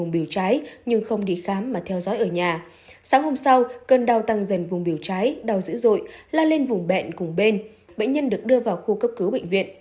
bệnh nhân được đưa vào khu cấp cứu bệnh viện